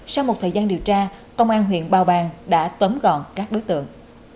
sau một thời gian điều tra công an huyện bào bàng đã tóm gọn các đối tượng